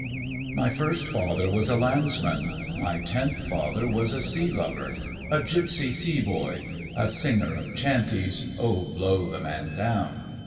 My first father was a landsman. My tenth father was a sea lover, a gipsy sea boy, a singer of chanties. (Oh Blow the Man Down!)